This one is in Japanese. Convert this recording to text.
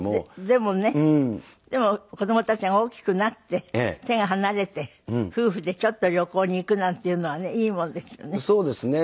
でもねでも子供たちが大きくなって手が離れて夫婦でちょっと旅行に行くなんていうのはねいいものですよね。